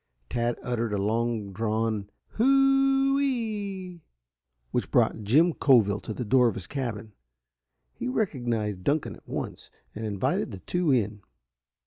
Tad uttered a long drawn "Hoo o o o e e e," which brought Jim Coville to the door of his cabin. He recognized Dunkan at once, and invited the two in.